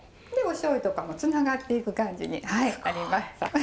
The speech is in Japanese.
でおしょう油とかもつながっていく感じになりました。